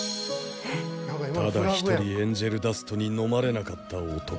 ただ１人エンジェルダストにのまれなかった男。